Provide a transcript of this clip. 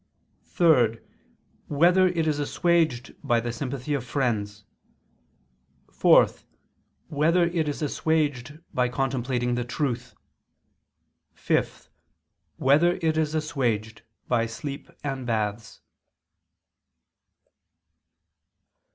(3) Whether it is assuaged by the sympathy of friends? (4) Whether it is assuaged by contemplating the truth? (5) Whether it is assuaged by sleep and baths?